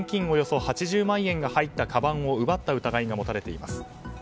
およそ８０万円が入ったかばんを奪った疑いが持たれています。